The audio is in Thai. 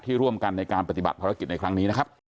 ร่วมกันในการปฏิบัติภารกิจในครั้งนี้นะครับ